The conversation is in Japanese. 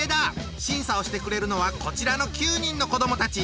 審査をしてくれるのはこちらの９人の子どもたち。